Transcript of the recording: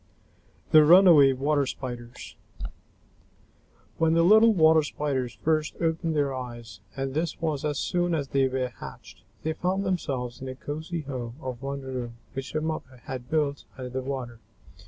THE RUNAWAY WATER SPIDERS When the little Water Spiders first opened their eyes, and this was as soon as they were hatched, they found themselves in a cosy home of one room which their mother had built under the water.